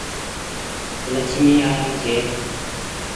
لڇمي آ ري ڇي۔